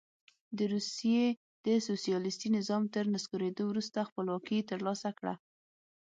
د روسیې د سوسیالیستي نظام تر نسکورېدو وروسته خپلواکي ترلاسه کړه.